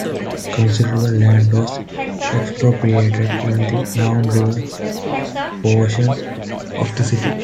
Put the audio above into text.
Considerable land was expropriated in the downriver portion of the city.